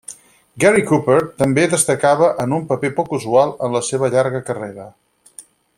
Gary Cooper també destaca en un paper poc usual en la seva llarga carrera.